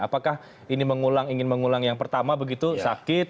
apakah ini mengulang ingin mengulang yang pertama begitu sakit